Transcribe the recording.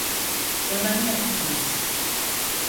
Bana ne yaptınız?